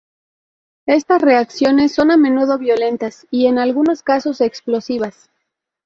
Estas reacciones son a menudo violentas, y en algunos casos explosivas.